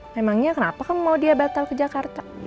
memangnya kenapa kan mau dia batal ke jakarta